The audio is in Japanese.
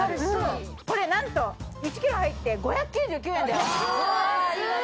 これ何と１ｋｇ入って５９９円だよ。